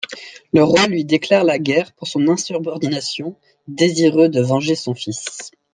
Le roi lui déclare la guerre pour son insubordination, désireux de venger son fils.